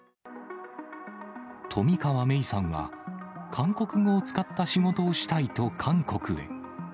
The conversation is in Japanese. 冨川芽生さんは、韓国語を使った仕事をしたいと韓国へ。